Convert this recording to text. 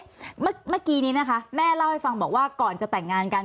เมื่อกี้นี้นะคะแม่เล่าให้ฟังบอกว่าก่อนจะแต่งงานกัน